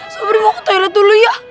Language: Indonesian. sabri mau ke toilet dulu ya